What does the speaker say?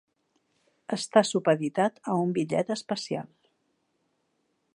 Està supeditat a un bitllet especial.